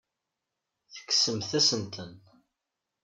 Tekksemt-asent-ten.